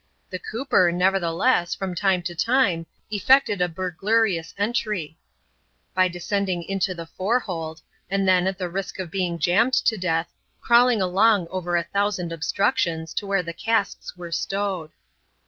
The cooper, nevertheless, from time to time, effected a burglarious entry, by descending into the fore hold ; and then, at the risk of being jammed to death, crawling along over a thousand ob structions, to where the cas^s were stowed.